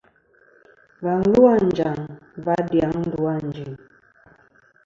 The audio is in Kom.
Và lu a Anjaŋ va dyaŋ ndu a Ànjin.